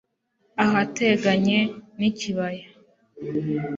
ahateganye n'ikibaya